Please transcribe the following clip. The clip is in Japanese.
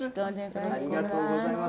ありがとうございます。